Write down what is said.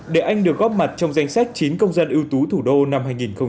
để anh được góp mặt trong danh sách chín công dân ưu tú thủ đô năm hai nghìn một mươi chín